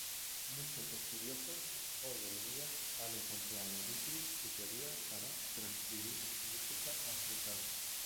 Muchos estudiosos hoy en día han encontrado útil su teoría para transcribir música africana.